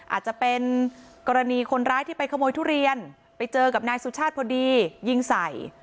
อาจจะเป็นกรณีคนร้ายที่ไปขโมยทุเรียนไปเจอกับนายสุชาติพอดียิงใส่